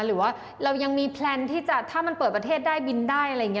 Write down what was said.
หรือว่าเรายังมีแพลนที่จะถ้ามันเปิดประเทศได้บินได้อะไรอย่างนี้